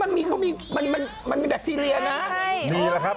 มันก็กระเภทตีเรียครับ